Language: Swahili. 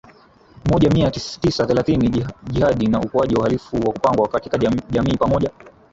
moja mia tisa thelathini Jihadi na ukuaji wa uhalifu wa kupangwa katika jamii pamoja